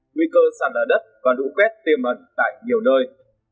nguy cơ sạt lở đất và lũ quét tiềm ẩn tại nhiều nơi